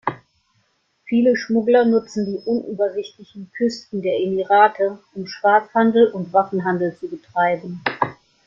Viele Schmuggler nutzen die unübersichtlichen Küsten der Emirate, um Schwarzhandel und Waffenhandel zu betreiben.